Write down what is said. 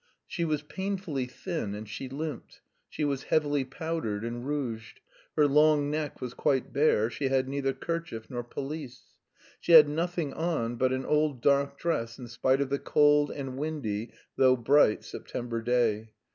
She was painfully thin and she limped, she was heavily powdered and rouged; her long neck was quite bare, she had neither kerchief nor pelisse; she had nothing on but an old dark dress in spite of the cold and windy, though bright, September day.